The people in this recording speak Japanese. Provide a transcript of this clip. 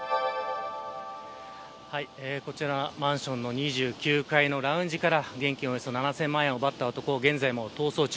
こちら、マンションの２９階のラウンジから現金およそ７０００万円を奪った男は現在も逃走中。